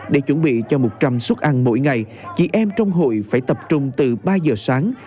để chuẩn bị cho một trăm linh suất ăn mỗi ngày chị em trong hội phải tập trung từ ba giờ sáng